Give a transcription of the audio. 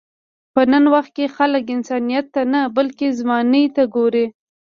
په نن وخت کې خلک انسانیت ته نه، بلکې ځوانۍ ته ګوري.